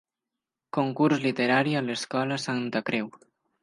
Concurs literari a l'escola Santa Creu.